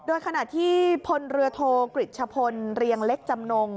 โดยขณะที่พลเรือโทกริจชะพลเรียงเล็กจำนง